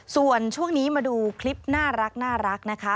ส่วนช่วงนี้มาดูคลิปน่ารักนะคะ